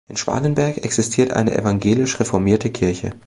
In Schwalenberg existiert eine evangelisch-reformierte Kirche.